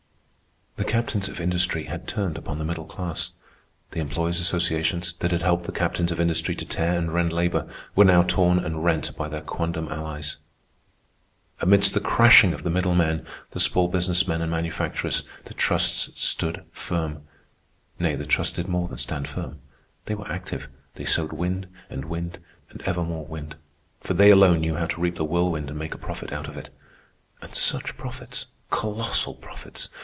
The captains of industry had turned upon the middle class. The employers' associations, that had helped the captains of industry to tear and rend labor, were now torn and rent by their quondam allies. Amidst the crashing of the middle men, the small business men and manufacturers, the trusts stood firm. Nay, the trusts did more than stand firm. They were active. They sowed wind, and wind, and ever more wind; for they alone knew how to reap the whirlwind and make a profit out of it. And such profits! Colossal profits!